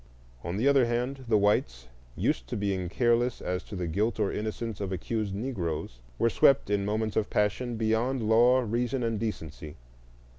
On the other hand, the whites, used to being careless as to the guilt or innocence of accused Negroes, were swept in moments of passion beyond law, reason, and decency.